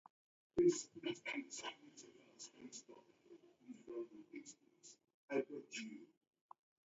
Mori mmbisho ghwazoya idime.